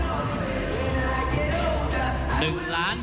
ท่านแรกครับจันทรุ่ม